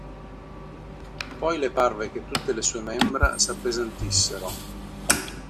Poi le parve che tutte le sue membra s'appesantissero.